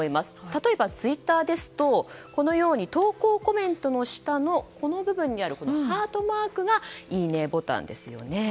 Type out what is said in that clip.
例えば、ツイッターですと投稿コメントの下のこの部分にあるハートマークがいいねボタンですよね。